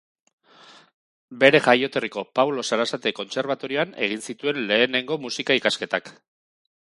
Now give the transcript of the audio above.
Bere jaioterriko Pablo Sarasate Kontserbatorioan egin zituen lehenengo Musika ikasketak.